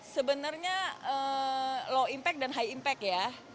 sebenarnya low impact dan high impact ya